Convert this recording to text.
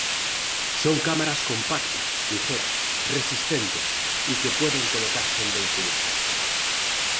Son cámaras compactas, ligeras, resistentes y que pueden colocarse en vehículos.